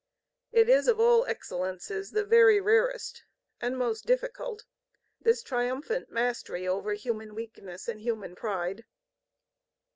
It is of all excellences the very rarest and most difficult, this triumphant mastery over human weakness and human pride.